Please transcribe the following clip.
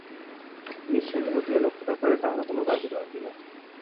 নিঃশ্বাসের গতিকে লক্ষ্য না করিয়া তাঁহারা কোন কাজই করেন না।